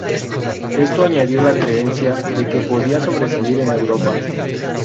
Esto añadido la creencia de que podía sobresalir en Europa.